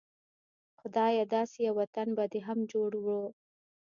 خدايه داسې يو وطن به دې هم جوړ و